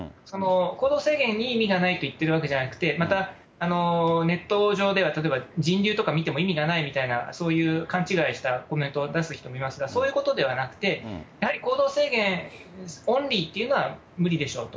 行動制限に意味がないと言ってるわけじゃなくて、またネット上では例えば、人流とか見ても意味がないみたいな、そういう勘違いしたコメントを出す人もいますが、そういうことではなくて、やはり行動制限オンリーっていうのは無理でしょうと。